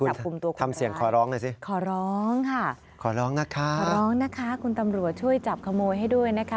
จับคุมตัวคนร้ายขอร้องค่ะขอร้องนะคะคุณตำรวจช่วยจับขโมยให้ด้วยนะคะ